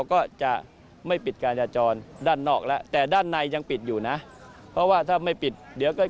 แขตอวันอาทิตย์